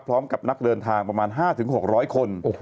พร้อมกับนักเดินทางประมาณ๕๖๐๐คน